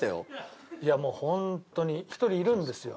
いやもうホントに一人いるんですよ。